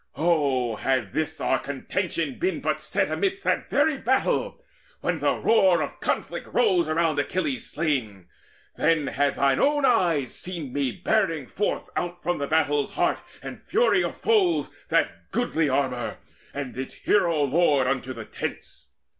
Oh, had this our contention been but set Amidst that very battle, when the roar Of conflict rose around Achilles slain! Then had thine own eyes seen me bearing forth Out from the battle's heart and fury of foes That goodly armour and its hero lord Unto the tents.